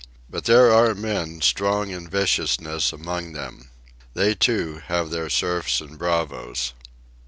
But there are men, strong in viciousness, among them. They, too, have their serfs and bravos.